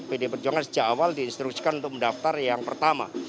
pdi perjuangan sejak awal diinstruksikan untuk mendaftar yang pertama